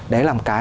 đấy là một cái